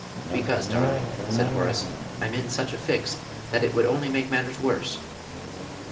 "Because, darling," said Horace, "I'm in such a fix that it would only make matters worse."